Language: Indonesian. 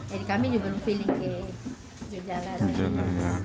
jadi kami juga belum feeling kayak